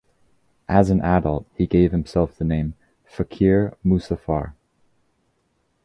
As an adult he gave himself the name "Fakir Musafar".